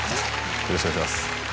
よろしくお願いします。